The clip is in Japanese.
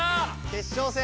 決勝戦。